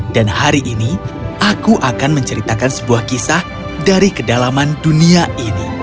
dan hari ini aku akan menceritakan sebuah kisah dari kedalaman dunia ini